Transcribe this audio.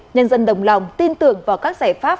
nhân dân đồng lòng tin tưởng vào các giải pháp